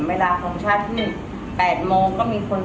เพราะว่าคนช่างเกินไปยังมี๑๐คน